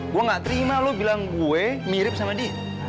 gue gak terima lo bilang gue mirip sama dia